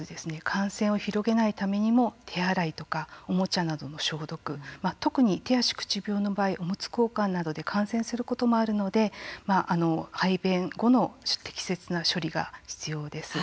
感染を広げないためにも手洗いとかおもちゃなどの消毒特に、手足口病の場合おむつ交換などで感染することもあるので排便後の適切な処理が必要です。